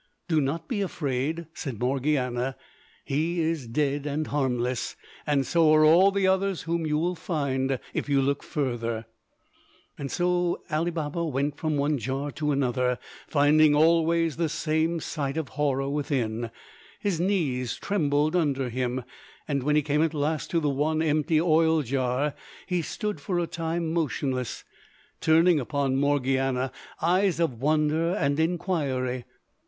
"Do not be afraid," said Morgiana, "he is dead and harmless; and so are all the others whom you will find if you look further." [Illustration: When Morgiana who had remained all this time on the watch.] As Ali Baba went from one jar to another, finding always the same sight of horror within, his knees trembled under him; and when he came at last to the one empty oil jar, he stood for a time motionless, turning upon Morgiana eyes of wonder and inquiry.